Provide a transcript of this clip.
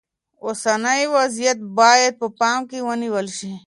اوسنی وضعیت باید په پام کې ونیول شي.